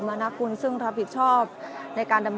เมื่อเวลาอันดับสุดท้ายเมื่อเวลาอันดับสุดท้าย